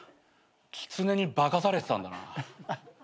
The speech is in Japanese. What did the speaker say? キツネに化かされてたんだな。